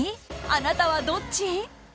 あなたはどっち？